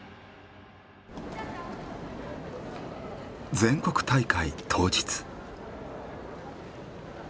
全国大会当日。